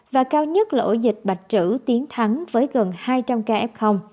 và cao nhất là ổ dịch bạch trữ tiến thắng với gần hai trăm linh ca f